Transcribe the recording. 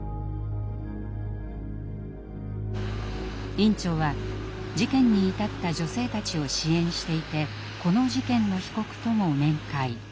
院長は事件に至った女性たちを支援していてこの事件の被告とも面会。